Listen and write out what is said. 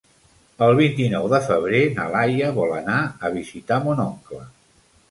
El vint-i-nou de febrer na Laia vol anar a visitar mon oncle.